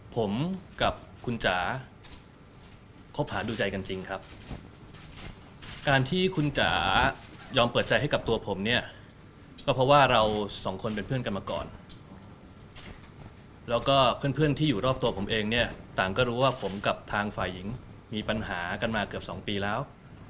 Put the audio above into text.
ผมกับคุณจ๋าคบหาดูใจกันจริงครับการที่คุณจ๋ายอมเปิดใจให้กับตัวผมเนี่ยก็เพราะว่าเราสองคนเป็นเพื่อนกันมาก่อนแล้วก็เพื่อนที่อยู่รอบตัวผมเองเนี่ยต่างก็รู้ว่าผมกับทางฝ่ายหญิงมีปัญหากันมาเกือบสองปีแล้ว